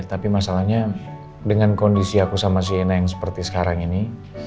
tapi masalahnya dengan kondisi aku sama siena yang seperti sekarang ini